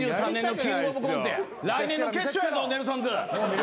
来年の決勝やぞネルソンズ！